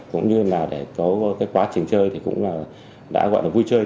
cũng như là để có quá trình chơi cũng đã gọi là vui chơi